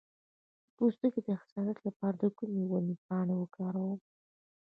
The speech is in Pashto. د پوستکي د حساسیت لپاره د کومې ونې پاڼې وکاروم؟